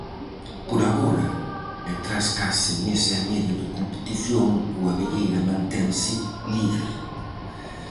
Por agora, e tras case mes e medio de competición, o Abelleira mantense líder.